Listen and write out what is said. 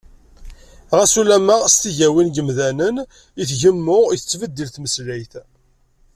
Xas ulamma s tigawin n yimdanen i tgemmu, i tettbeddil tmeslayt.